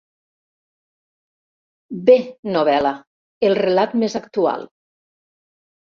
Bé novel·la, el relat més actual.